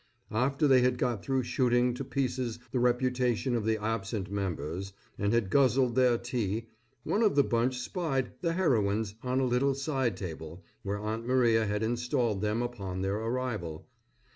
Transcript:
After they had got through shooting to pieces the reputation of the absent members, and had guzzled their tea, one of the bunch spied "The Heroines" on a little side table where Aunt Maria had installed them upon their arrival.